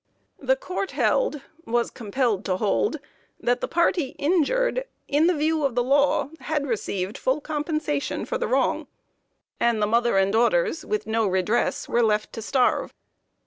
The Court held, was compelled to hold, that the party injured in view of the law, had received full compensation for the wrong and the mother and daughters with no means of redress were left to starve.